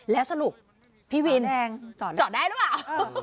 แล้วสรุปพี่วินเองจอดได้หรือเปล่า